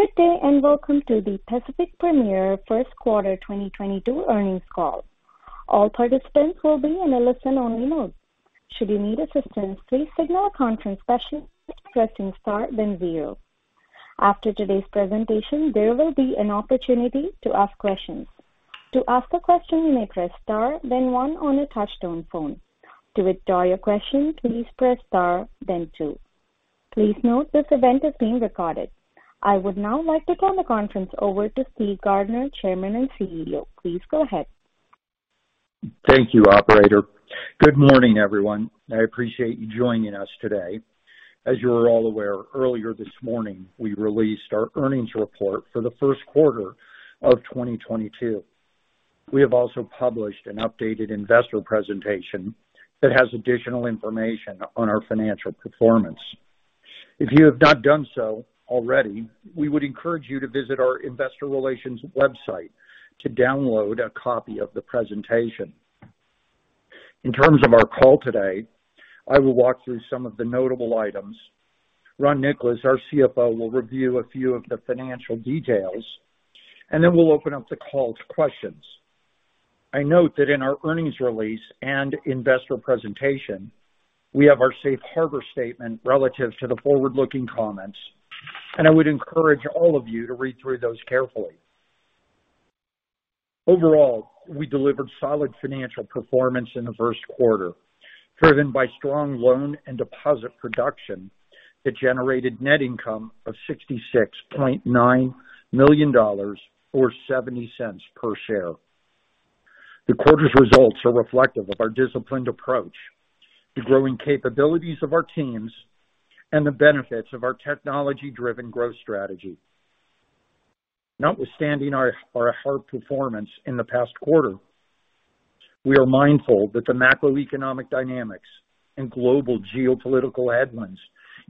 Good day, and welcome to the Pacific Premier Q1 2022 earnings call. All participants will be in a listen-only mode. Should you need assistance, please signal a conference session by pressing star then zero. After today's presentation, there will be an opportunity to ask questions. To ask a question, you may press star then one on a touchtone phone. To withdraw your question, please press star then two. Please note this event is being recorded. I would now like to turn the conference over to Steve Gardner, Chairman and CEO. Please go ahead. Thank you, operator. Good morning, everyone. I appreciate you joining us today. As you are all aware, earlier this morning, we released our earnings report for the Q1 of 2022. We have also published an updated investor presentation that has additional information on our financial performance. If you have not done so already, we would encourage you to visit our investor relations website to download a copy of the presentation. In terms of our call today, I will walk through some of the notable items. Ron Nicolas, our CFO, will review a few of the financial details, and then we'll open up the call to questions. I note that in our earnings release and investor presentation, we have our safe harbor statement relative to the forward-looking comments, and I would encourage all of you to read through those carefully. Overall, we delivered solid financial performance in the Q1, driven by strong loan and deposit production that generated net income of $66.9 million or $0.70 per share. The quarter's results are reflective of our disciplined approach to growing capabilities of our teams and the benefits of our technology-driven growth strategy. Notwithstanding our solid performance in the past quarter, we are mindful that the macroeconomic dynamics and global geopolitical headwinds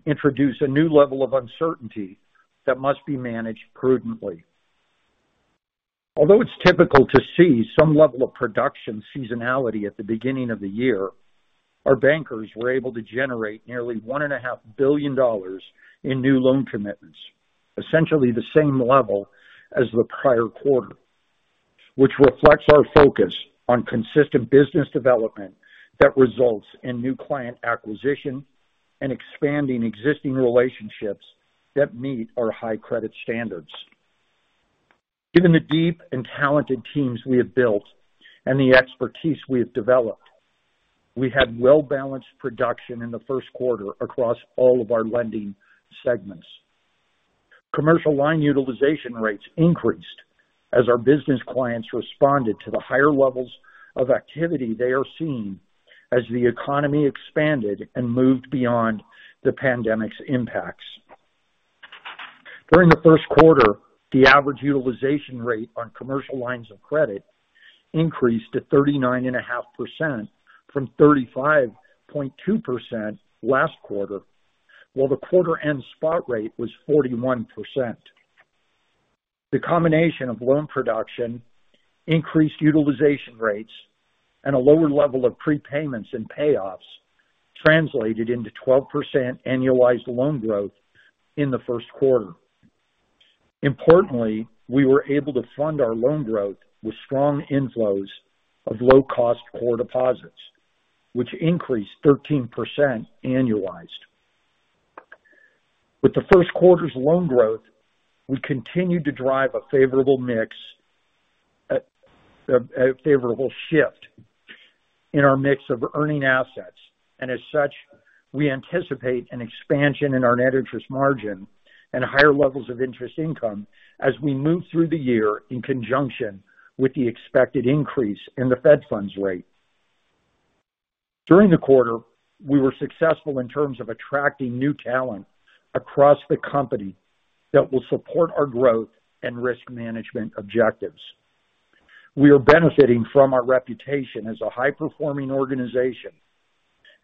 introduce a new level of uncertainty that must be managed prudently. Although it's typical to see some level of production seasonality at the beginning of the year, our bankers were able to generate nearly $1.5 billion in new loan commitments, essentially the same level as the prior quarter. Which reflects our focus on consistent business development that results in new client acquisition and expanding existing relationships that meet our high credit standards. Given the deep and talented teams we have built and the expertise we have developed, we had well-balanced production in the Q1 across all of our lending segments. Commercial line utilization rates increased as our business clients responded to the higher levels of activity they are seeing as the economy expanded and moved beyond the pandemic's impacts. During the Q1, the average utilization rate on commercial lines of credit increased to 39.5% from 35.2% last quarter, while the quarter end spot rate was 41%. The combination of loan production, increased utilization rates, and a lower level of prepayments and payoffs translated into 12% annualized loan growth in the Q1. Importantly, we were able to fund our loan growth with strong inflows of low-cost core deposits, which increased 13% annualized. With the Q1 loan growth, we continued to drive a favorable shift in our mix of earning assets, and as such, we anticipate an expansion in our net interest margin and higher levels of interest income as we move through the year in conjunction with the expected increase in the fed funds rate. During the quarter, we were successful in terms of attracting new talent across the company that will support our growth and risk management objectives. We are benefiting from our reputation as a high-performing organization,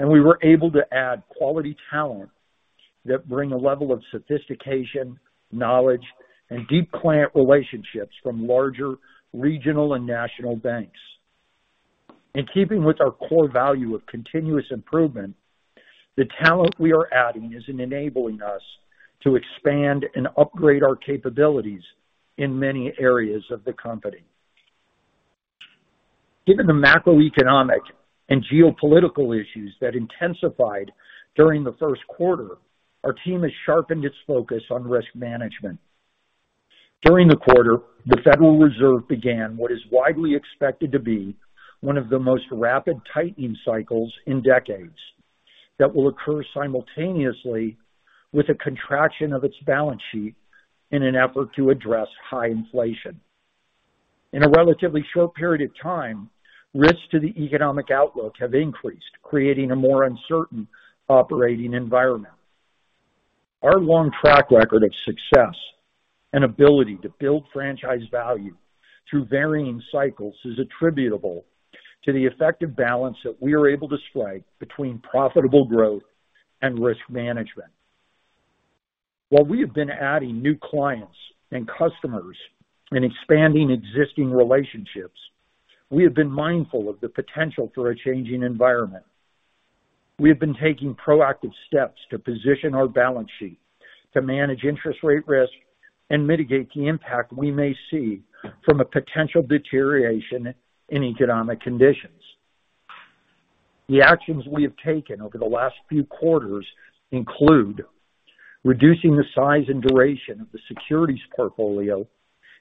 and we were able to add quality talent that bring a level of sophistication, knowledge, and deep client relationships from larger regional and national banks. In keeping with our core value of continuous improvement, the talent we are adding is in enabling us to expand and upgrade our capabilities in many areas of the company. Given the macroeconomic and geopolitical issues that intensified during the Q1, our team has sharpened its focus on risk management. During the quarter, the Federal Reserve began what is widely expected to be one of the most rapid tightening cycles in decades that will occur simultaneously with a contraction of its balance sheet in an effort to address high inflation. In a relatively short period of time, risks to the economic outlook have increased, creating a more uncertain operating environment. Our long track record of success and ability to build franchise value through varying cycles is attributable to the effective balance that we are able to strike between profitable growth and risk management. While we have been adding new clients and customers and expanding existing relationships, we have been mindful of the potential for a changing environment. We've been taking proactive steps to position our balance sheet to manage interest rate risk and mitigate the impact we may see from a potential deterioration in economic conditions. The actions we have taken over the last few quarters include reducing the size and duration of the securities portfolio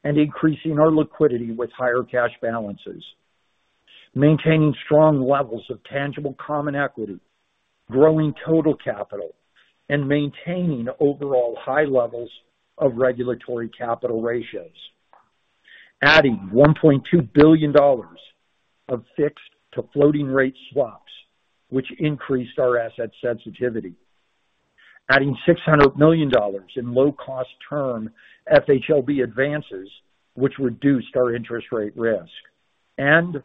and increasing our liquidity with higher cash balances, maintaining strong levels of tangible common equity, growing total capital, and maintaining overall high levels of regulatory capital ratios. Adding $1.2 billion of fixed to floating rate swaps, which increased our asset sensitivity. Adding $600 million in low cost term FHLB advances, which reduced our interest rate risk, and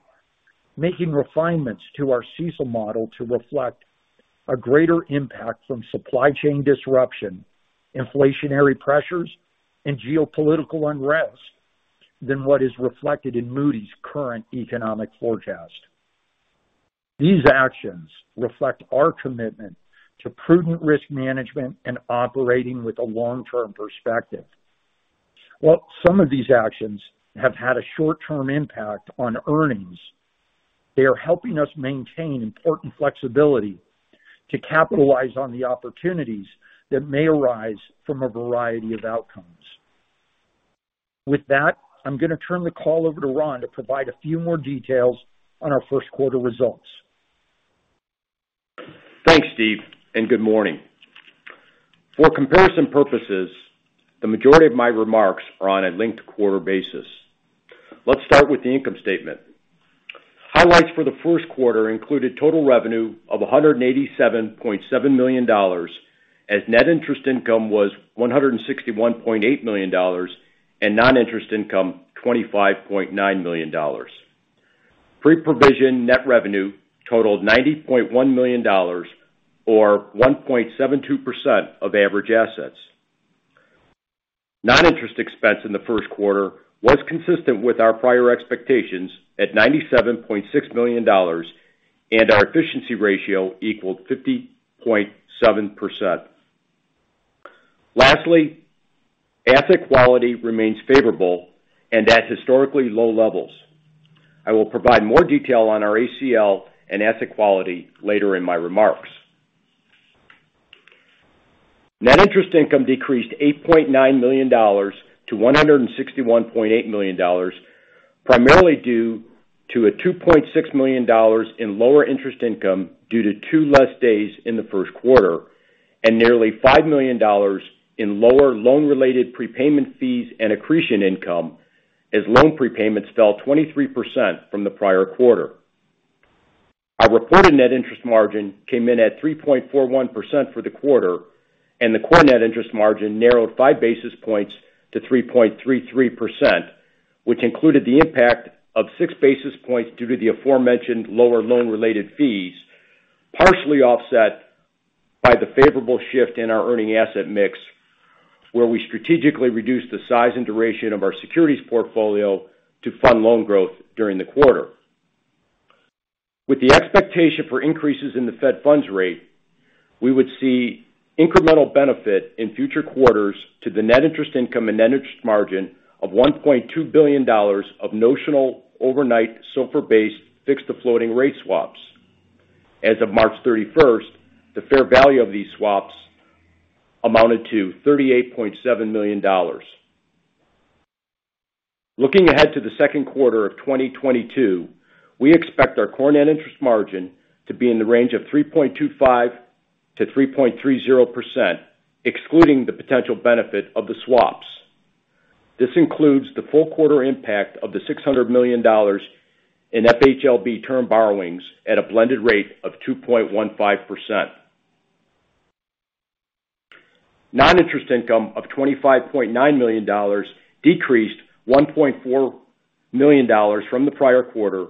making refinements to our CECL model to reflect a greater impact from supply chain disruption, inflationary pressures and geopolitical unrest than what is reflected in Moody's current economic forecast. These actions reflect our commitment to prudent risk management and operating with a long-term perspective. While some of these actions have had a short-term impact on earnings, they are helping us maintain important flexibility to capitalize on the opportunities that may arise from a variety of outcomes. With that, I'm gonna turn the call over to Ron to provide a few more details on our Q1 results. Thanks, Steve, and good morning. For comparison purposes, the majority of my remarks are on a linked quarter basis. Let's start with the income statement. Highlights for the Q1 included total revenue of $187.7 million, as net interest income was $161.8 million, and non-interest income, $25.9 million. Pre-provision net revenue totaled $90.1 million or 1.72% of average assets. Non-interest expense in the Q1 was consistent with our prior expectations at $97.6 million, and our efficiency ratio equaled 50.7%. Lastly, asset quality remains favorable and at historically low levels. I will provide more detail on our ACL and asset quality later in my remarks. Net interest income decreased $8.9 million to $161.8 million, primarily due to $2.6 million in lower interest income due to two less days in the Q1 and nearly $5 million in lower loan-related prepayment fees and accretion income as loan prepayments fell 23% from the prior quarter. Our reported net interest margin came in at 3.41% for the quarter, and the core net interest margin narrowed five basis points to 3.33%, which included the impact of six basis points due to the aforementioned lower loan-related fees, partially offset by the favorable shift in our earning asset mix, where we strategically reduced the size and duration of our securities portfolio to fund loan growth during the quarter. With the expectation for increases in the fed funds rate, we would see incremental benefit in future quarters to the net interest income and net interest margin of $1.2 billion of notional overnight SOFR-based fixed to floating rate swaps. As of March 31st, the fair value of these swaps amounted to $38.7 million. Looking ahead to the Q2 of 2022, we expect our core net interest margin to be in the range of 3.25%-3.30%, excluding the potential benefit of the swaps. This includes the full quarter impact of $600 million in FHLB term borrowings at a blended rate of 2.15%. Non-interest income of $25.9 million decreased $1.4 million from the prior quarter,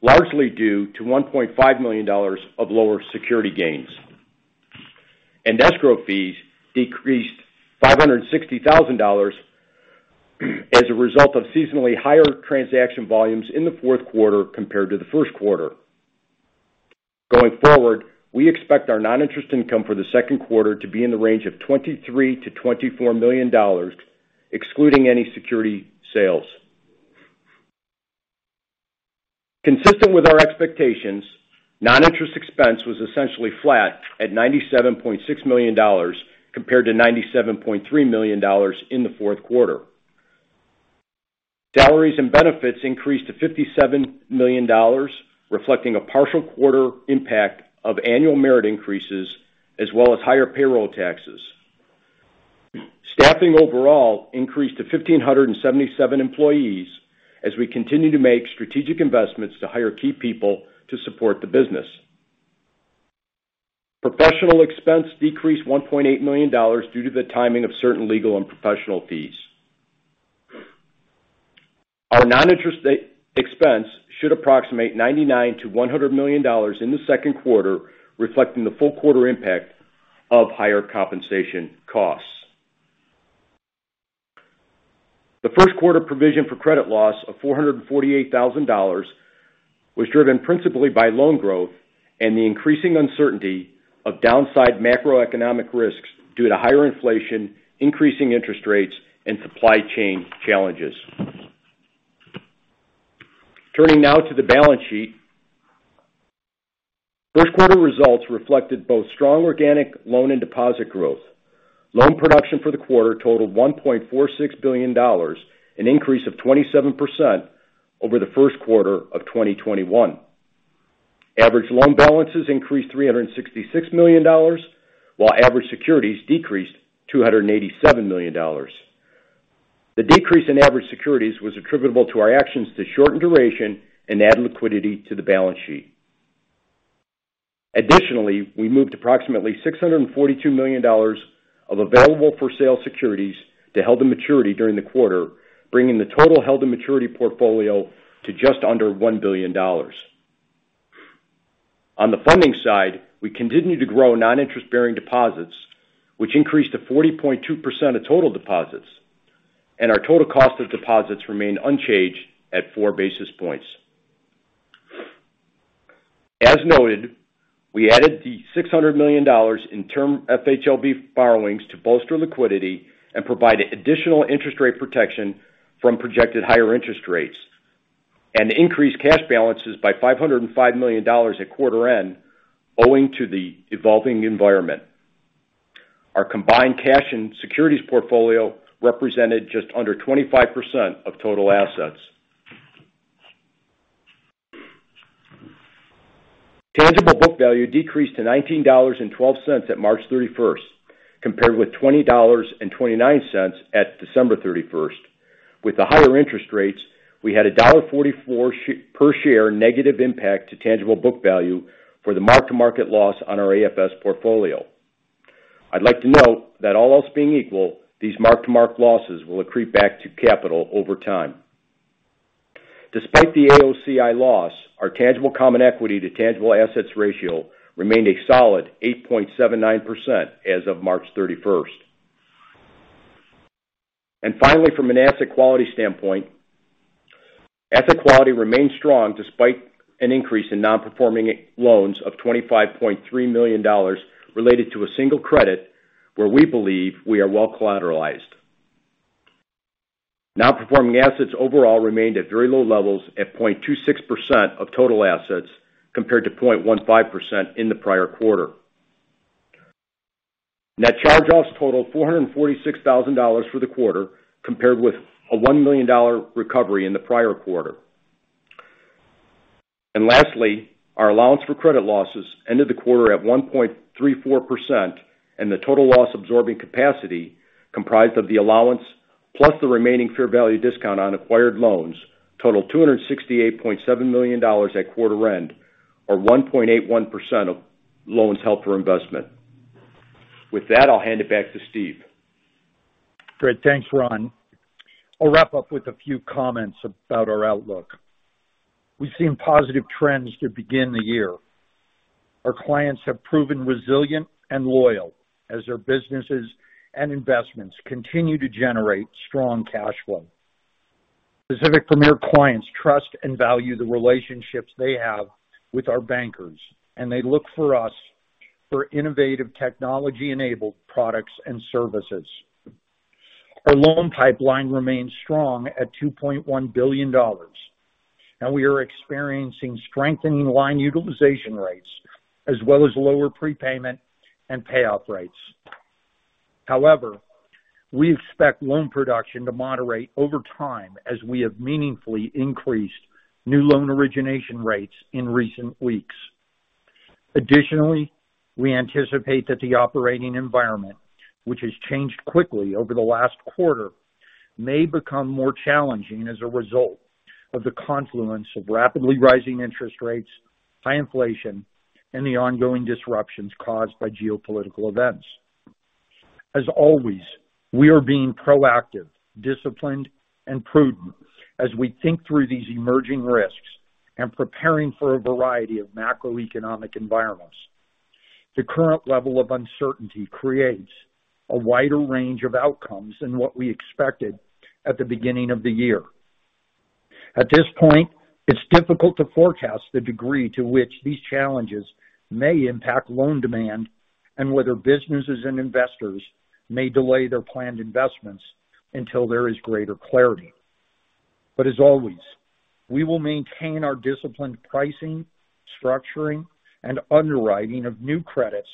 largely due to $1.5 million of lower security gains. Escrow fees decreased $560,000 as a result of seasonally higher transaction volumes in the Q4 compared to the Q1. Going forward, we expect our non-interest income for the Q2 to be in the range of $23 million-$24 million, excluding any security sales. Consistent with our expectations, non-interest expense was essentially flat at $97.6 million compared to $97.3 million in the Q4. Salaries and benefits increased to $57 million, reflecting a partial quarter impact of annual merit increases as well as higher payroll taxes. Staffing overall increased to 1,577 employees as we continue to make strategic investments to hire key people to support the business. Professional expense decreased $1.8 million due to the timing of certain legal and professional fees. Our non-interest expense should approximate $99 million-$100 million in the Q2, reflecting the full quarter impact of higher compensation costs. The Q1 provision for credit loss of $448,000 was driven principally by loan growth and the increasing uncertainty of downside macroeconomic risks due to higher inflation, increasing interest rates, and supply chain challenges. Turning now to the balance sheet. Q1 results reflected both strong organic loan and deposit growth. Loan production for the quarter totaled $1.46 billion, an increase of 27% over the Q1 of 2021. Average loan balances increased $366 million, while average securities decreased $287 million. The decrease in average securities was attributable to our actions to shorten duration and add liquidity to the balance sheet. Additionally, we moved approximately $642 million of available-for-sale securities to held to maturity during the quarter, bringing the total held to maturity portfolio to just under $1 billion. On the funding side, we continued to grow non-interest-bearing deposits, which increased to 40.2% of total deposits, and our total cost of deposits remained unchanged at 4 basis points. As noted, we added $600 million in term FHLB borrowings to bolster liquidity and provide additional interest rate protection from projected higher interest rates and increased cash balances by $505 million at quarter end owing to the evolving environment. Our combined cash and securities portfolio represented just under 25% of total assets. Tangible book value decreased to $19.12 at March 31st, compared with $20.29 at December 31st. With the higher interest rates, we had a $1.44 per share negative impact to tangible book value for the mark-to-market loss on our AFS portfolio. I'd like to note that all else being equal, these mark-to-market losses will accrete back to capital over time. Despite the AOCI loss, our tangible common equity to tangible assets ratio remained a solid 8.79% as of March 31st. Finally, from an asset quality standpoint, asset quality remained strong despite an increase in non-performing loans of $25.3 million related to a single credit where we believe we are well collateralized. Non-performing assets overall remained at very low levels at 0.26% of total assets compared to 0.15% in the prior quarter. Net charge-offs totaled $446,000 for the quarter, compared with a $1 million recovery in the prior quarter. Lastly, our allowance for credit losses ended the quarter at 1.34%, and the total loss-absorbing capacity comprised of the allowance plus the remaining fair value discount on acquired loans totaled $268.7 million at quarter end, or 1.81% of loans held for investment. With that, I'll hand it back to Steve. Great. Thanks, Ron. I'll wrap up with a few comments about our outlook. We've seen positive trends to begin the year. Our clients have proven resilient and loyal as their businesses and investments continue to generate strong cash flow. Pacific Premier clients trust and value the relationships they have with our bankers, and they look for us for innovative technology-enabled products and services. Our loan pipeline remains strong at $2.1 billion, and we are experiencing strengthening line utilization rates as well as lower prepayment and payoff rates. However, we expect loan production to moderate over time as we have meaningfully increased new loan origination rates in recent weeks. Additionally, we anticipate that the operating environment, which has changed quickly over the last quarter, may become more challenging as a result of the confluence of rapidly rising interest rates, high inflation, and the ongoing disruptions caused by geopolitical events. As always, we are being proactive, disciplined, and prudent as we think through these emerging risks and preparing for a variety of macroeconomic environments. The current level of uncertainty creates a wider range of outcomes than what we expected at the beginning of the year. At this point, it's difficult to forecast the degree to which these challenges may impact loan demand and whether businesses and investors may delay their planned investments until there is greater clarity. As always, we will maintain our disciplined pricing, structuring, and underwriting of new credits,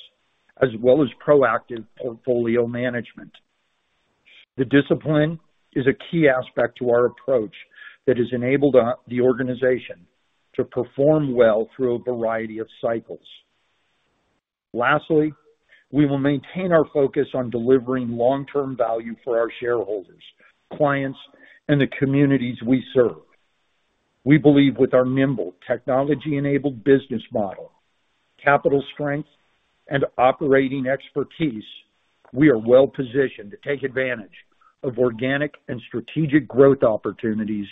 as well as proactive portfolio management. The discipline is a key aspect to our approach that has enabled the organization to perform well through a variety of cycles. Lastly, we will maintain our focus on delivering long-term value for our shareholders, clients, and the communities we serve. We believe with our nimble technology-enabled business model, capital strength, and operating expertise, we are well-positioned to take advantage of organic and strategic growth opportunities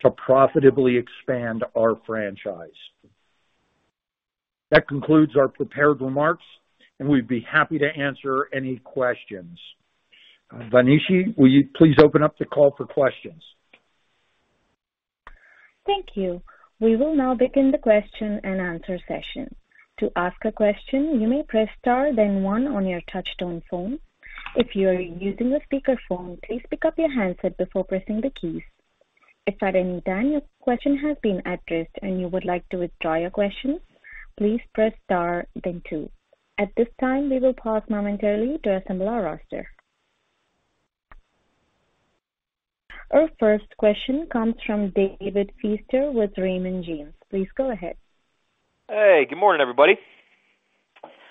to profitably expand our franchise. That concludes our prepared remarks, and we'd be happy to answer any questions. Vanishi, will you please open up the call for questions. Thank you. We will now begin the question and answer session. To ask a question, you may press star then one on your touchtone phone. If you're using a speakerphone, please pick up your handset before pressing the keys. If at any time your question has been addressed and you would like to withdraw your question, please press star then two. At this time, we will pause momentarily to assemble our roster. Our first question comes from David Feaster with Raymond James. Please go ahead. Hey, good morning, everybody.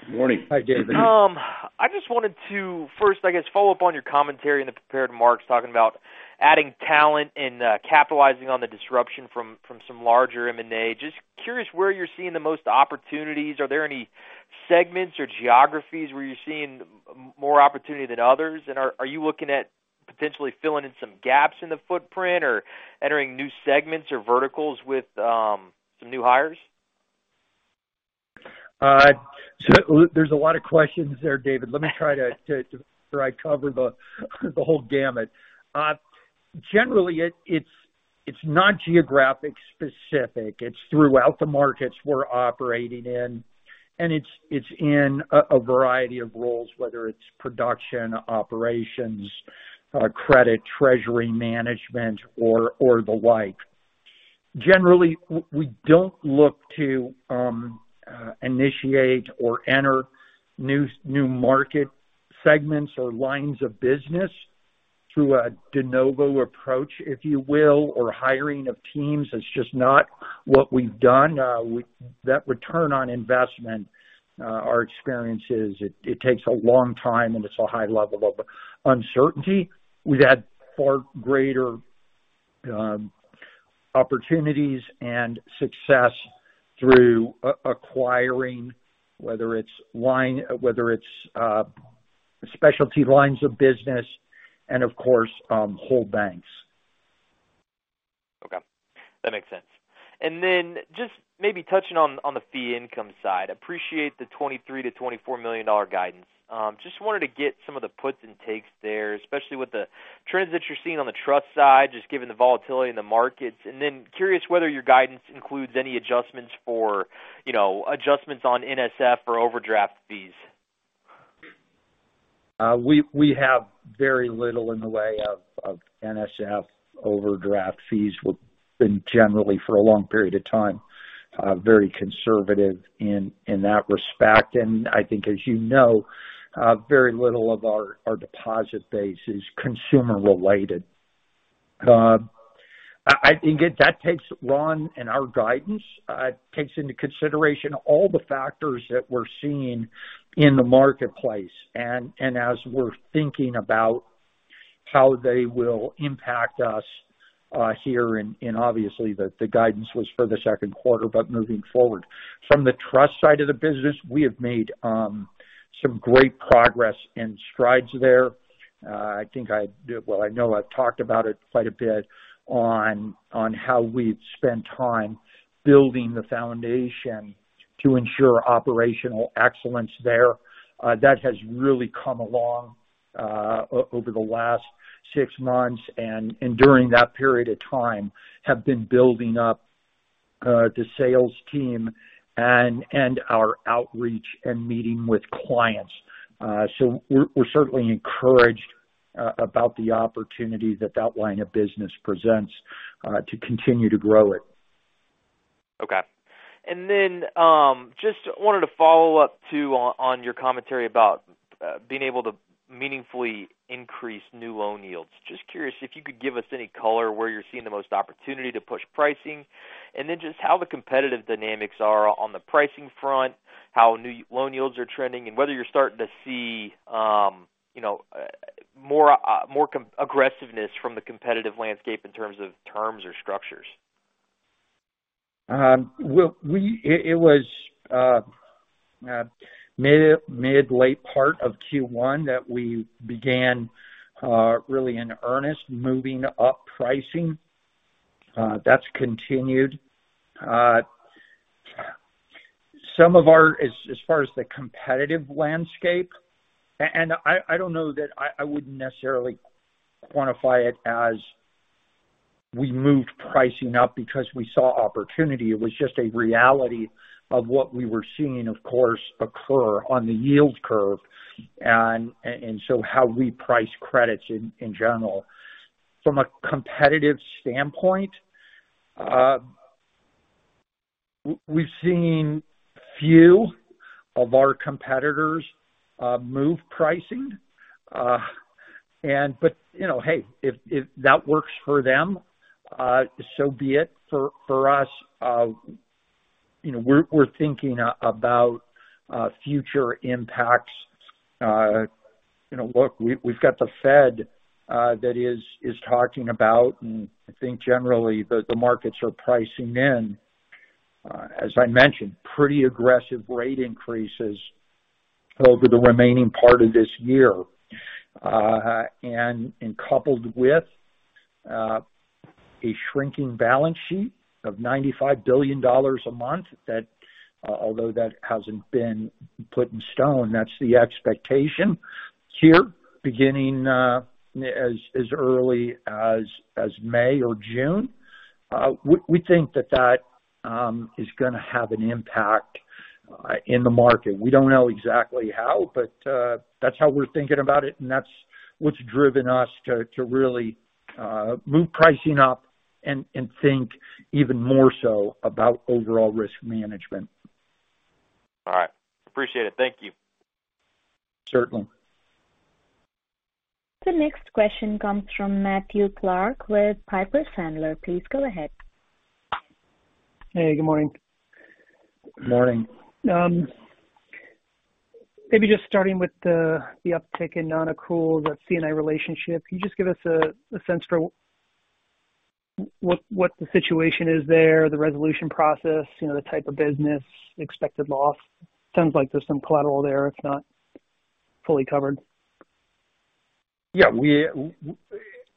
Good morning. Hi, David. I just wanted to first, I guess, follow up on your commentary in the prepared remarks, talking about adding talent and capitalizing on the disruption from some larger M&A. Just curious where you're seeing the most opportunities. Are there any segments or geographies where you're seeing more opportunity than others? Are you looking at potentially filling in some gaps in the footprint or entering new segments or verticals with some new hires? There's a lot of questions there, David. Let me try to make sure I cover the whole gamut. Generally, it's not geographic specific. It's throughout the markets we're operating in, and it's in a variety of roles, whether it's production, operations, credit, treasury management or the like. Generally, we don't look to initiate or enter new market segments or lines of business through a de novo approach, if you will, or hiring of teams. That's just not what we've done. That return on investment, our experience is it takes a long time, and it's a high level of uncertainty. We've had far greater opportunities and success through acquiring, whether it's specialty lines of business and of course, whole banks. Okay, that makes sense. Then just maybe touching on the fee income side. Appreciate the $23 million-$24 million guidance. Just wanted to get some of the puts and takes there, especially with the trends that you're seeing on the trust side, just given the volatility in the markets. Then curious whether your guidance includes any adjustments for, you know, adjustments on NSF or overdraft fees. We have very little in the way of NSF overdraft fees. We've been generally, for a long period of time, very conservative in that respect. I think, as you know, very little of our deposit base is consumer related. I think that takes into consideration all the factors that we're seeing in the marketplace and as we're thinking about how they will impact us here and obviously the guidance was for the Q2, but moving forward. From the trust side of the business, we have made some great progress and strides there. Well, I know I've talked about it quite a bit on how we've spent time building the foundation to ensure operational excellence there. That has really come along over the last six months and during that period of time, we have been building up the sales team and our outreach and meeting with clients. We're certainly encouraged about the opportunity that line of business presents to continue to grow it. Okay. Just wanted to follow up too, on your commentary about being able to meaningfully increase new loan yields. Just curious if you could give us any color where you're seeing the most opportunity to push pricing, and then just how the competitive dynamics are on the pricing front, how new loan yields are trending, and whether you're starting to see more aggressiveness from the competitive landscape in terms of terms or structures. It was mid- to late part of Q1 that we began really in earnest moving up pricing. That's continued. As far as the competitive landscape, I don't know that I would necessarily quantify it as we moved pricing up because we saw opportunity. It was just a reality of what we were seeing, of course, occur on the yield curve and so how we price credits in general. From a competitive standpoint, we've seen few of our competitors move pricing. You know, hey, if that works for them, so be it. For us, you know, we're thinking about future impacts. You know, look, we've got the Fed that is talking about, and I think generally the markets are pricing in, as I mentioned, pretty aggressive rate increases over the remaining part of this year. Coupled with a shrinking balance sheet of $95 billion a month that, although that hasn't been set in stone, that's the expectation here beginning as early as May or June. We think that is gonna have an impact in the market. We don't know exactly how, but that's how we're thinking about it, and that's what's driven us to really move pricing up and think even more so about overall risk management. All right. Appreciate it. Thank you. Certainly. The next question comes from Matthew Clark with Piper Sandler. Please go ahead. Hey, good morning. Morning. Maybe just starting with the uptick in non-accrual, the C&I relationship. Can you just give us a sense for what the situation is there, the resolution process, you know, the type of business, expected loss? Sounds like there's some collateral there if not fully covered. Yeah.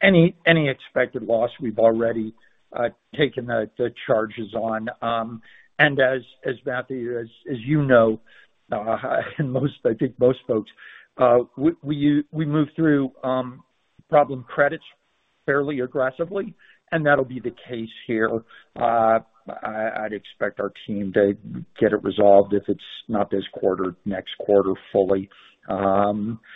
Any expected loss we've already taken the charges on. As Matthew, as you know, and most, I think most folks, we move through problem credits fairly aggressively, and that'll be the case here. I'd expect our team to get it resolved if it's not this quarter, next quarter fully. That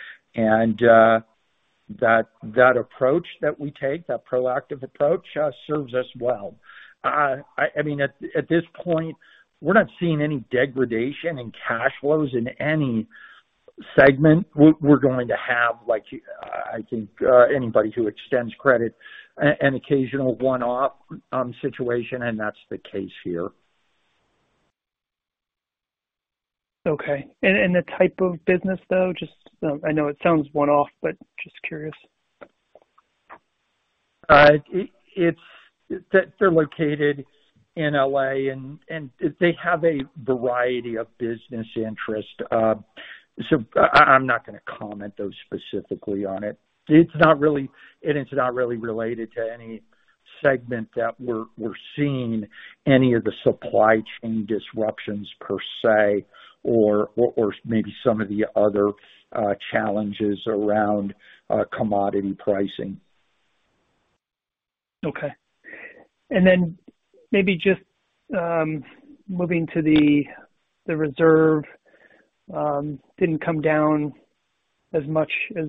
approach that we take, that proactive approach, serves us well. I mean, at this point, we're not seeing any degradation in cash flows in any segment. We're going to have like, I think, anybody who extends credit an occasional one-off situation, and that's the case here. Okay. The type of business though, just, I know it sounds one-off, but just curious. It's. They're located in L.A. and they have a variety of business interests. So I'm not gonna comment though specifically on it. It's not really related to any segment that we're seeing any of the supply chain disruptions per se or maybe some of the other challenges around commodity pricing. Okay. Maybe just moving to the reserve didn't come down as much as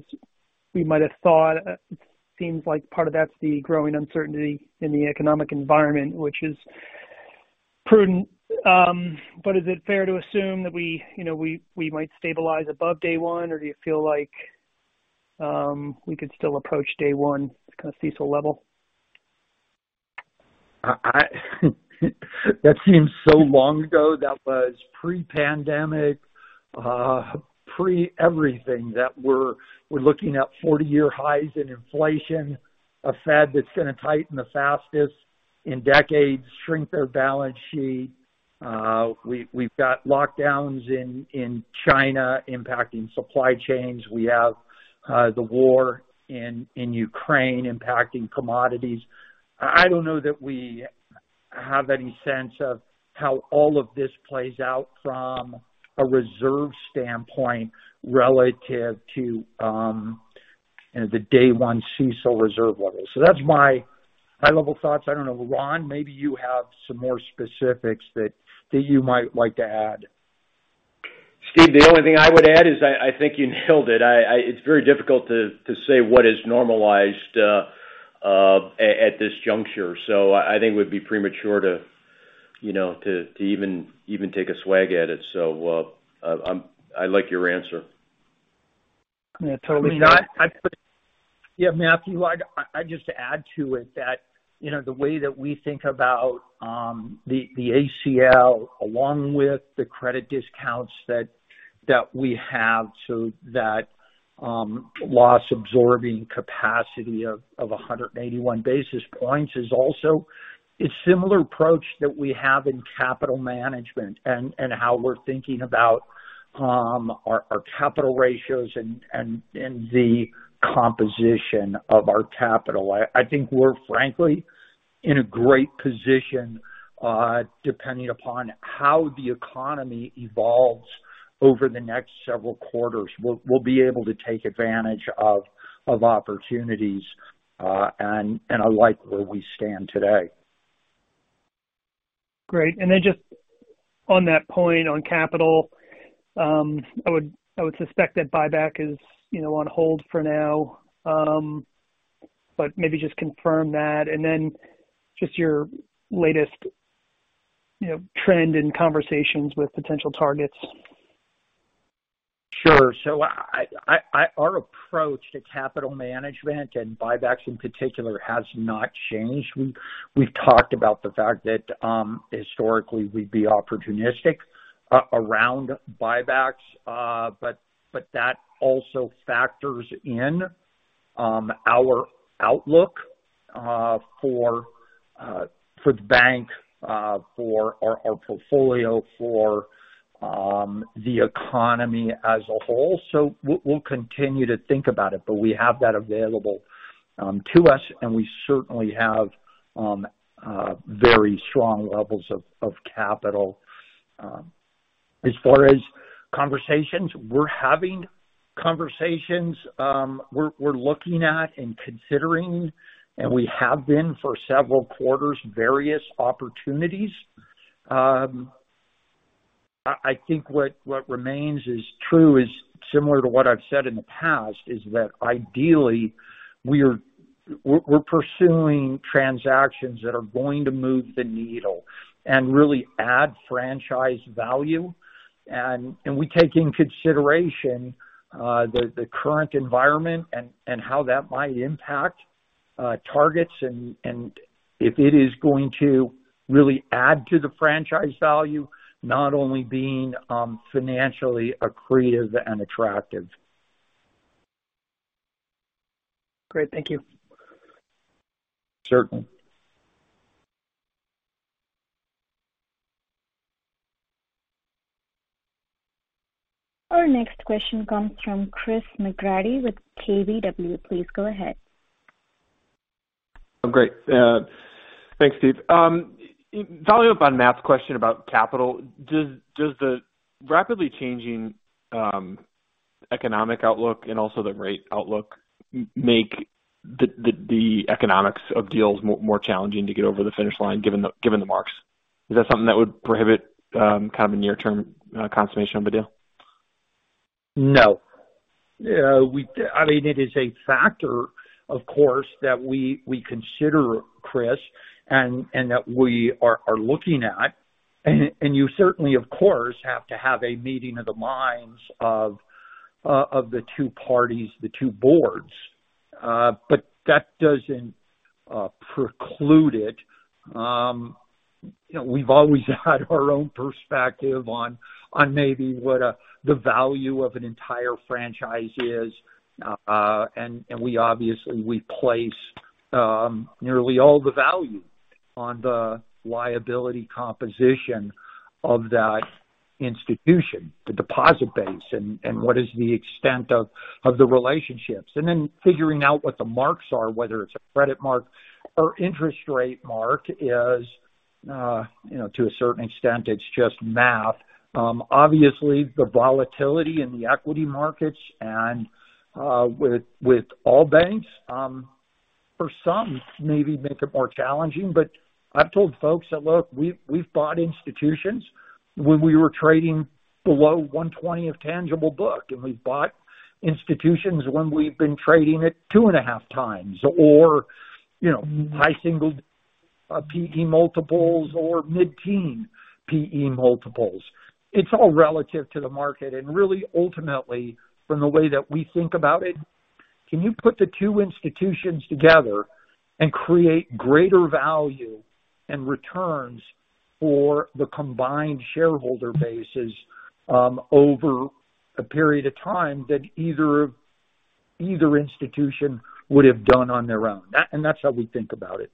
we might have thought. It seems like part of that's the growing uncertainty in the economic environment, which is prudent. But is it fair to assume that we, you know, we might stabilize above day one, or do you feel like we could still approach day one kind of CECL level? That seems so long ago. That was pre-pandemic, pre-everything. That we're looking at 40-year highs in inflation, a Fed that's gonna tighten the fastest in decades, shrink their balance sheet. We've got lockdowns in China impacting supply chains. We have the war in Ukraine impacting commodities. I don't know that we have any sense of how all of this plays out from a reserve standpoint relative to, you know, the day one CECL reserve level. That's my high-level thoughts. I don't know. Ron, maybe you have some more specifics that you might like to add. Steve, the only thing I would add is I think you nailed it. It's very difficult to say what is normalized at this juncture. So I think it would be premature to you know to even take a swag at it. So, I like your answer. Yeah, totally. Yeah, Matthew, I just add to it that, you know, the way that we think about the ACL along with the credit discounts that we have so that loss-absorbing capacity of 181 basis points is also a similar approach that we have in capital management and how we're thinking about our capital ratios and the composition of our capital. I think we're frankly in a great position, depending upon how the economy evolves over the next several quarters. We'll be able to take advantage of opportunities, and I like where we stand today. Great. Just on that point on capital, I would suspect that buyback is, you know, on hold for now. Maybe just confirm that. Just your latest, you know, trend in conversations with potential targets. Sure. Our approach to capital management and buybacks in particular has not changed. We've talked about the fact that historically we'd be opportunistic around buybacks. But that also factors in our outlook for the bank, for our portfolio, for the economy as a whole. We'll continue to think about it, but we have that available to us, and we certainly have very strong levels of capital. As far as conversations, we're having conversations, we're looking at and considering, and we have been for several quarters, various opportunities. I think what remains true is similar to what I've said in the past, that ideally we're pursuing transactions that are going to move the needle and really add franchise value. We take into consideration the current environment and how that might impact targets and if it is going to really add to the franchise value, not only being financially accretive and attractive. Great. Thank you. Certainly. Our next question comes from Chris McGratty with KBW. Please go ahead. Great. Thanks, Steve. Following up on Matt's question about capital. Does the rapidly changing economic outlook and also the rate outlook make the economics of deals more challenging to get over the finish line, given the marks? Is that something that would prohibit kind of a near-term consummation of a deal? No. I mean, it is a factor, of course, that we consider, Chris, and that we are looking at. You certainly, of course, have to have a meeting of the minds of the two parties, the two boards. That doesn't preclude it. You know, we've always had our own perspective on maybe what the value of an entire franchise is. We obviously place nearly all the value on the liability composition of that institution, the deposit base and what is the extent of the relationships. Then figuring out what the marks are, whether it's a credit mark or interest rate mark is, you know, to a certain extent, it's just math. Obviously the volatility in the equity markets and with all banks for some maybe make it more challenging. I've told folks that, look, we've bought institutions when we were trading below 1.20 of tangible book, and we've bought institutions when we've been trading at 2.5 times or, you know, high single-digit PE multiples or mid-teen PE multiples. It's all relative to the market. Really ultimately, from the way that we think about it, can you put the two institutions together and create greater value and returns for the combined shareholder bases over a period of time that either institution would have done on their own? That and that's how we think about it.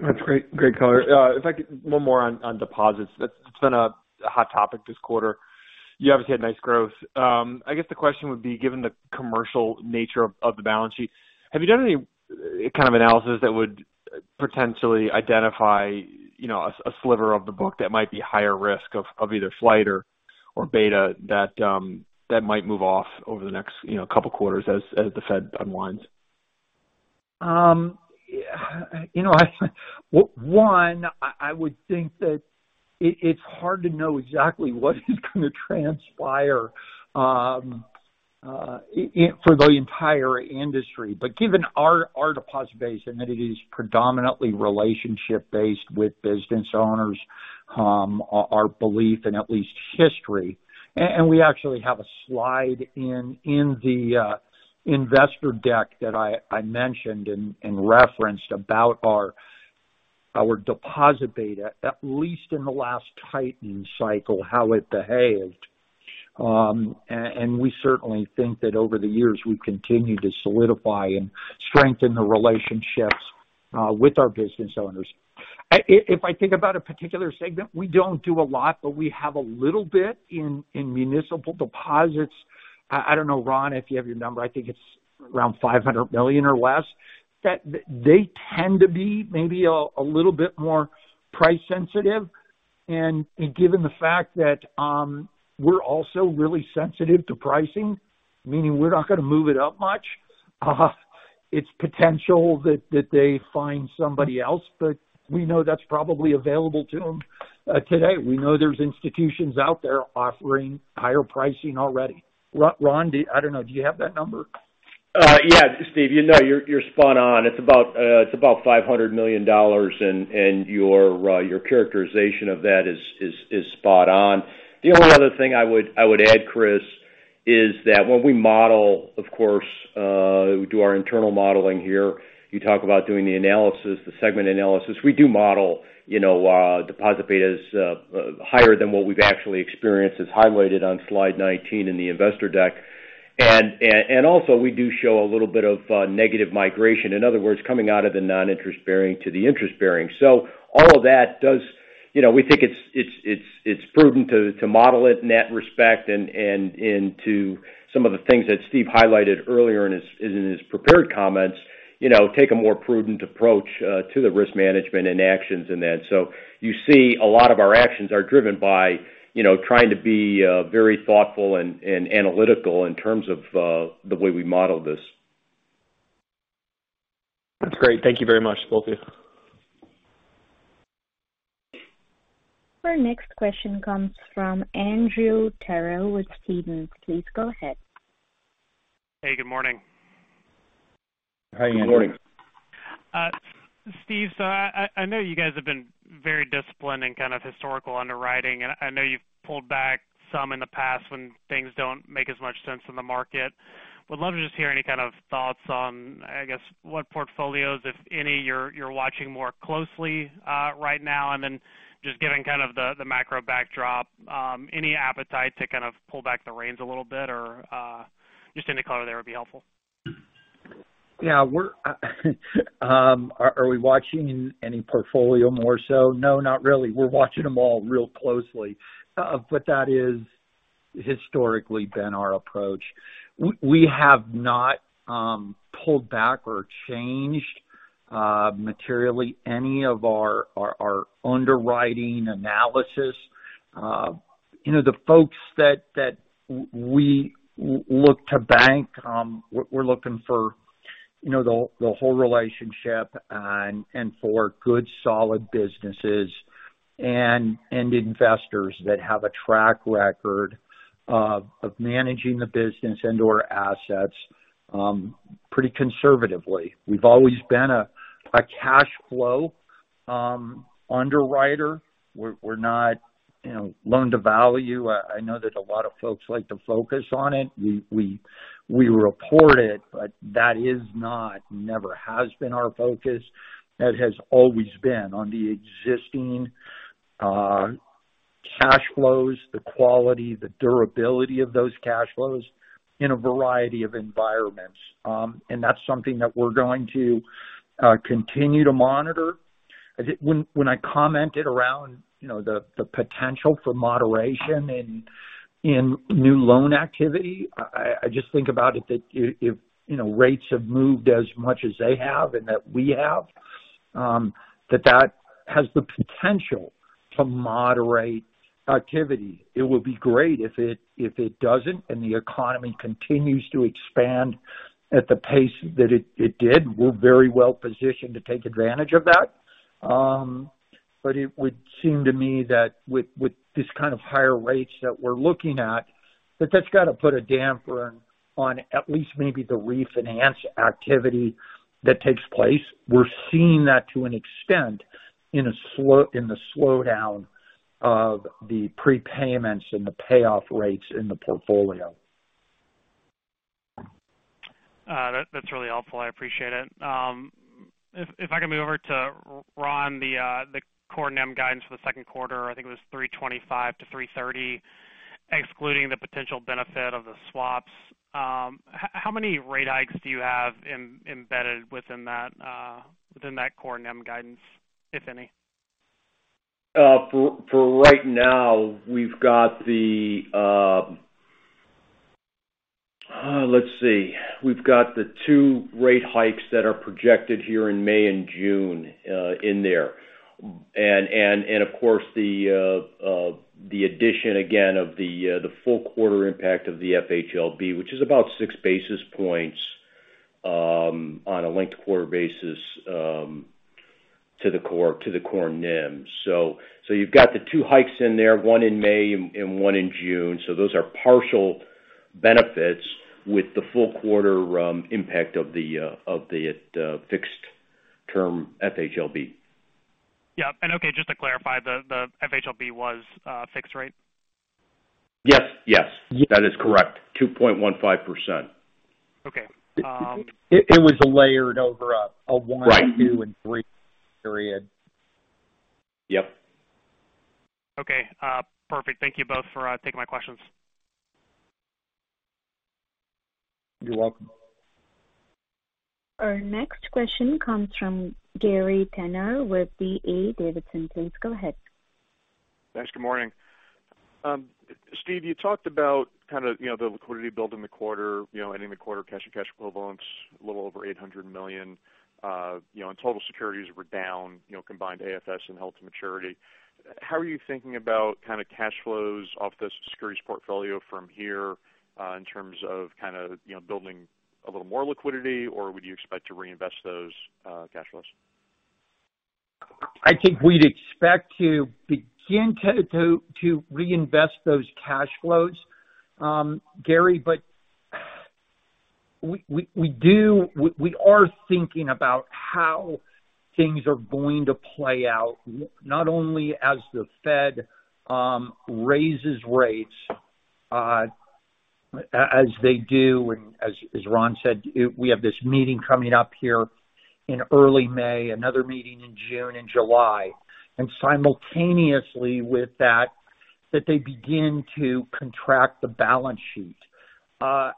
That's great. Great color. If I could one more on deposits. That's, it's been a hot topic this quarter. You obviously had nice growth. I guess the question would be, given the commercial nature of the balance sheet, have you done any kind of analysis that would potentially identify, you know, a sliver of the book that might be higher risk of either flight or beta that might move off over the next, you know, couple quarters as the Fed unwinds? You know, I would think that it's hard to know exactly what is gonna transpire for the entire industry. Given our deposit base and that it is predominantly relationship based with business owners, our belief, at least in history. We actually have a slide in the investor deck that I mentioned and referenced about our deposit beta, at least in the last tightening cycle, how it behaved. We certainly think that over the years, we've continued to solidify and strengthen the relationships with our business owners. If I think about a particular segment, we don't do a lot, but we have a little bit in municipal deposits. I don't know, Ron, if you have your number. I think it's around $500 million or less. That they tend to be maybe a little bit more price sensitive. Given the fact that we're also really sensitive to pricing, meaning we're not gonna move it up much, it's possible that they find somebody else. We know that's probably available to them today. We know there's institutions out there offering higher pricing already. Ron, I don't know, do you have that number? Yeah. Steve, you know, you're spot on. It's about $500 million and your characterization of that is spot on. The only other thing I would add, Chris, is that when we model, of course, we do our internal modeling here. You talk about doing the analysis, the segment analysis. We do model, you know, deposit betas higher than what we've actually experienced, as highlighted on slide 19 in the investor deck. Also we do show a little bit of negative migration, in other words, coming out of the non-interest-bearing to the interest-bearing. All of that does. You know, we think it's prudent to model it in that respect and into some of the things that Steve highlighted earlier in his prepared comments, you know, take a more prudent approach to the risk management and actions in that. You see a lot of our actions are driven by, you know, trying to be very thoughtful and analytical in terms of the way we model this. That's great. Thank you very much, both of you. Our next question comes from Andrew Terrell with Stephens. Please go ahead. Hey, good morning. Hi, Andrew. Good morning. Steve, I know you guys have been very disciplined in kind of historical underwriting, and I know you've pulled back some in the past when things don't make as much sense in the market. Would love to just hear any kind of thoughts on, I guess, what portfolios, if any, you're watching more closely right now. Just given kind of the macro backdrop, any appetite to kind of pull back the reins a little bit or just any color there would be helpful. Yeah. Are we watching any portfolio more so? No, not really. We're watching them all real closely. That is historically been our approach. We have not pulled back or changed materially any of our underwriting analysis. You know, the folks that we look to bank, we're looking for, you know, the whole relationship and for good, solid businesses and investors that have a track record of managing the business and/or assets pretty conservatively. We've always been a cash flow underwriter. We're not, you know, loan-to-value. I know that a lot of folks like to focus on it. We report it, but that is not, never has been our focus. That has always been on the existing cash flows, the quality, the durability of those cash flows in a variety of environments. That's something that we're going to continue to monitor. I think when I commented around you know the potential for moderation in new loan activity, I just think about it that if you know rates have moved as much as they have and that we have that that has the potential to moderate activity. It would be great if it doesn't, and the economy continues to expand at the pace that it did. We're very well positioned to take advantage of that. It would seem to me that with this kind of higher rates that we're looking at, that that's got to put a damper on at least maybe the refinance activity that takes place. We're seeing that to an extent in the slowdown of the prepayments and the payoff rates in the portfolio. That's really helpful. I appreciate it. If I can move over to Ron, the core NIM guidance for the Q2, I think it was 3.25%-3.30%, excluding the potential benefit of the swaps. How many rate hikes do you have embedded within that core NIM guidance, if any? For right now, we've got the two rate hikes that are projected here in May and June, in there. Of course, the addition again of the full quarter impact of the FHLB, which is about six basis points, on a linked quarter basis, to the core NIM. You've got the two hikes in there, one in May and one in June. Those are partial benefits with the full quarter impact of the fixed-term FHLB. Yeah. Okay, just to clarify, the FHLB was fixed rate? Yes. Yes. Yes. That is correct. 2.15%. Okay. It was layered over a one- Right. 2, and 3 period. Yep. Okay. Perfect. Thank you both for taking my questions. You're welcome. Our next question comes from Gary Tenner with D.A. Davidson. Please go ahead. Thanks. Good morning. Steve, you talked about kind of, you know, the liquidity build in the quarter, you know, ending the quarter cash and cash equivalents a little over $800 million, you know, and total securities were down, you know, combined AFS and held to maturity. How are you thinking about kind of cash flows off the securities portfolio from here, in terms of kind of, you know, building a little more liquidity, or would you expect to reinvest those cash flows? I think we'd expect to begin to reinvest those cash flows, Gary, but we are thinking about how things are going to play out, not only as the Fed raises rates, as they do, and as Ron said, we have this meeting coming up here in early May, another meeting in June and July. Simultaneously with that, they begin to contract the balance sheet. I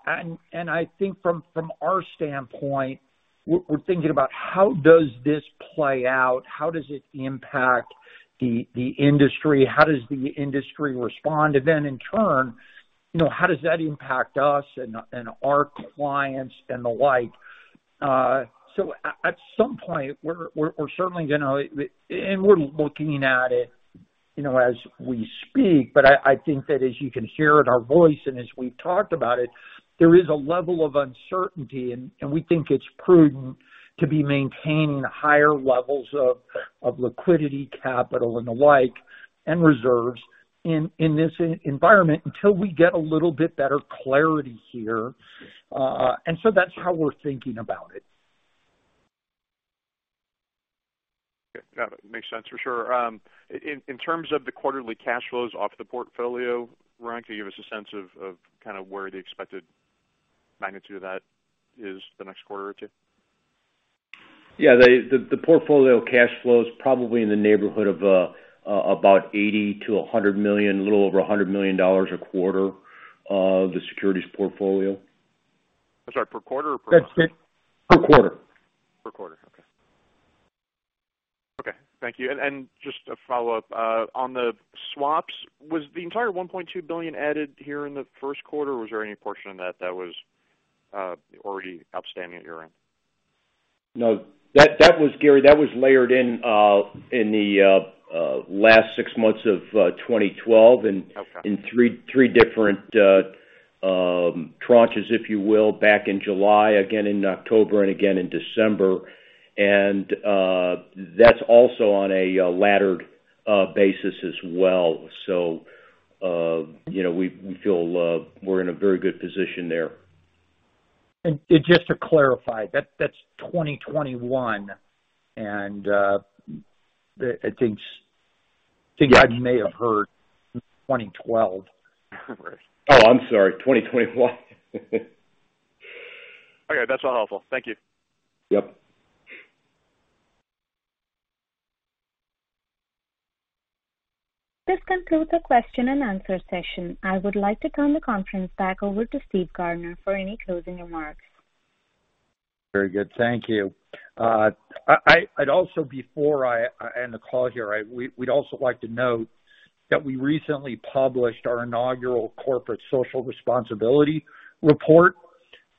think from our standpoint, we're thinking about how does this play out? How does it impact the industry? How does the industry respond? In turn, you know, how does that impact us and our clients and the like? At some point we're certainly gonna. We're looking at it, you know, as we speak, but I think that as you can hear in our voice and as we've talked about it, there is a level of uncertainty and we think it's prudent to be maintaining higher levels of liquidity, capital and the like, and reserves in this environment until we get a little bit better clarity here. That's how we're thinking about it. Yeah. Got it. Makes sense for sure. In terms of the quarterly cash flows off the portfolio, Ron, can you give us a sense of kinda where the expected magnitude of that is the next quarter or two? The portfolio cash flow is probably in the neighborhood of about $80 million-$100 million, a little over $100 million a quarter of the securities portfolio. I'm sorry, per quarter or. That's it. Per quarter. Per quarter. Okay. Thank you. Just a follow-up. On the swaps, was the entire $1.2 billion added here in the Q1? Or was there any portion of that that was already outstanding at your end? No. That was, Gary, that was layered in the last six months of 2012 Okay In three different tranches, if you will, back in July, again in October and again in December. That's also on a laddered basis as well. You know, we feel we're in a very good position there. Just to clarify, that's 2021. I think s- Yeah. I think I may have heard 2012. Oh, I'm sorry. 2021. Okay. That's all. Thank you. Yep. This concludes the question and answer session. I would like to turn the conference back over to Steve Gardner for any closing remarks. Very good. Thank you. Before I end the call here, we'd also like to note that we recently published our inaugural corporate social responsibility report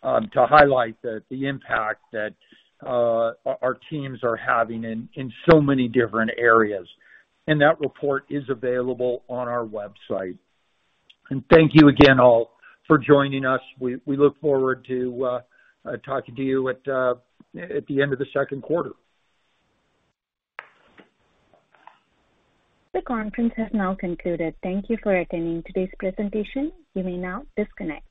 to highlight the impact that our teams are having in so many different areas. That report is available on our website. Thank you again all for joining us. We look forward to talking to you at the end of the Q2. The conference has now concluded. Thank you for attending today's presentation. You may now disconnect.